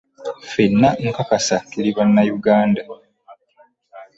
Ffenna nkakasa tuli bannayuganda.